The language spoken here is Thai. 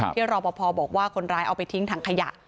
รอปภบอกว่าคนร้ายเอาไปทิ้งถังขยะ